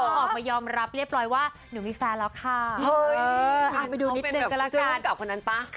ก็แล้วกับคนอื่นกับคนอันปะ